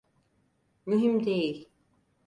Mühim değil.